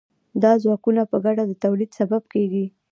دا ځواکونه په ګډه د تولید سبب کیږي.